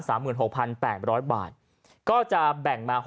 ก็ถือว่าถูกเหมือนกัน